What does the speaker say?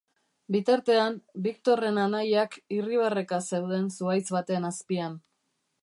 Bitartean, Victorren anaiak irribarreka zeuden zuhaitz baten azpian.